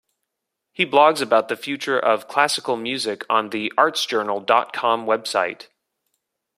He blogs about the future of classical music on the ArtsJournal dot com website.